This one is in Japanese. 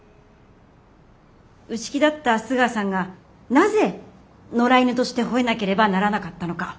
内気だった須川さんがなぜ「野良犬」としてほえなければならなかったのか。